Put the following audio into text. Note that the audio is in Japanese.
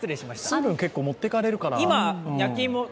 水分、結構持っていかれるから。